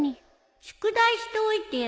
宿題しておいてよ